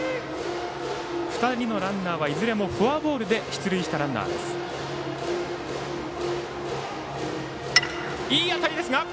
２人のランナーはいずれもフォアボールで出塁したランナーです。